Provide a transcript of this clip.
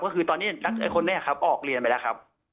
ก็คือตอนนี้คนแรกครับออกเรียนไปแล้วครับ